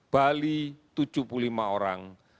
bali tujuh puluh lima orang